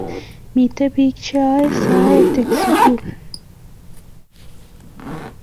Miten pik che yae kasit en sukul